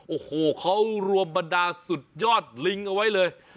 โอ้โหเขารวมบรรดาสุดยอดลิงเอาไว้เลย